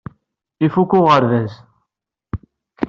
Ifuk uɣerbaz.